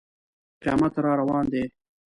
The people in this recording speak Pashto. قیامت را روان دی.